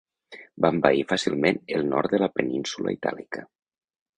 Va envair fàcilment el nord de la península Itàlica.